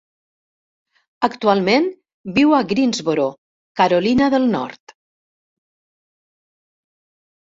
Actualment viu a Greensboro, Carolina del Nord.